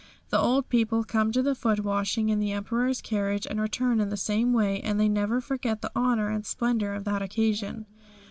The old people come to the foot washing in the Emperor's carriage and return in the same way, and they never forget the honour and splendour of that occasion.